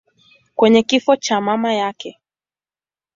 kwenye kifo cha mama yake.